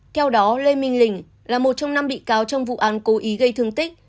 theo đó lê minh lình là một trong năm bị cáo trong vụ án cố ý gây thương tích